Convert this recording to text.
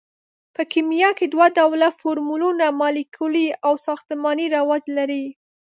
په کیمیا کې دوه ډوله فورمولونه مالیکولي او ساختماني رواج لري.